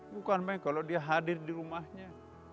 bukan may kalau dia hadir di rumahnya